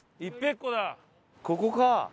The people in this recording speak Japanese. ここか。